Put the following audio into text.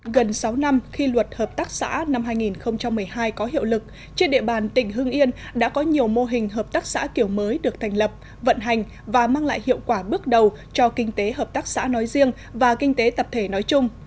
gần sáu năm khi luật hợp tác xã năm hai nghìn một mươi hai có hiệu lực trên địa bàn tỉnh hưng yên đã có nhiều mô hình hợp tác xã kiểu mới được thành lập vận hành và mang lại hiệu quả bước đầu cho kinh tế hợp tác xã nói riêng và kinh tế tập thể nói chung